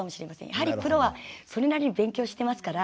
やはりプロはそれなりに勉強してますから。